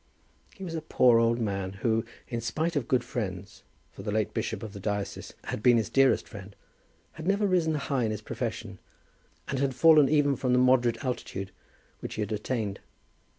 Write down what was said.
He was a poor old man who, in spite of good friends, for the late bishop of the diocese had been his dearest friend, had never risen high in his profession, and had fallen even from the moderate altitude which he had attained.